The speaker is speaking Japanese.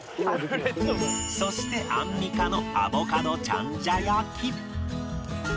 そしてアンミカのアボカドチャンジャ焼き